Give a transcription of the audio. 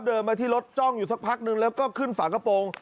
เดินมาที่รถจ้องอยู่สักพักนึงแล้วก็ขึ้นฝากระโปรง